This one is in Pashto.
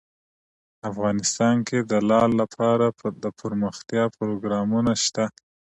افغانستان کې د لعل لپاره دپرمختیا پروګرامونه شته.